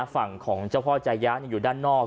ฝั่งของเจ้าพ่อจายะอยู่ด้านนอก